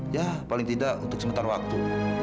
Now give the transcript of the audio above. ya paling tidak untuk sementara waktu